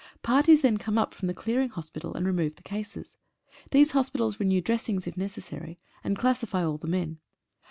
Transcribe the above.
Parties then come up from the clearing hospital and remove the cases. These hospitals renew dressings if necessary, and classify all the men.